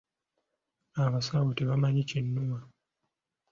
Abasawo tebamanyi kinnuma.